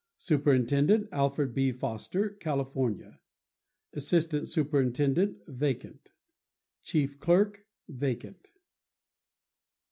— Superintendent.—Alfred B. Foster, California. Assistant Superintendent.—Vacant. Chief Clerk.—Vacant.